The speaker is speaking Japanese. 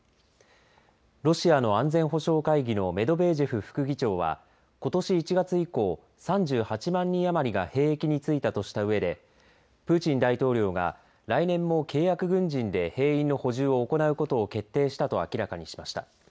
ロシアの安全保障会議のメドベージェフ副議長はことし１月以降３８万人余りが兵役に就いたとしたうえでプーチン大統領が来年も契約軍人で兵員の補充を行うことを決定したと明らかにしました。